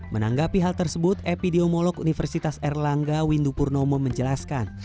menanggapi hal tersebut epidemolog universitas erlangga windupurnomo menjelaskan